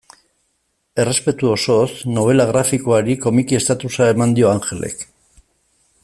Errespetu osoz, nobela grafikoari komiki estatusa eman dio Angelek.